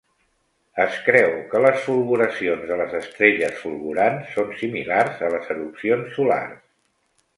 Es creu que les fulguracions de les estrelles fulgurants són similars a les erupcions solars.